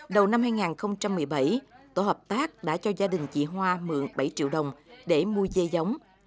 đầu năm hai nghìn một mươi bảy tổ hợp tác đã cho gia đình chị hoa mượn bảy triệu đồng để mua dây giống